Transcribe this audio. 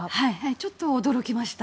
ちょっと驚きました。